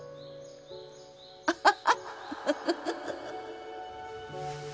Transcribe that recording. アハハ。